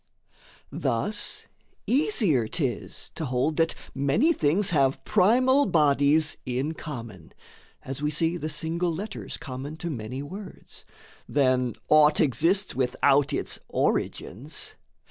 Thus easier 'tis to hold that many things Have primal bodies in common (as we see The single letters common to many words) Than aught exists without its origins.